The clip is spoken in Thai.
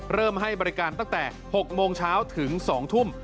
เริ่มให้บริการตั้งแต่๖โมงเช้าถึง๒ทุ่ม